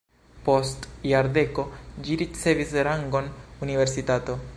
Post jardeko ĝi ricevis rangon universitato.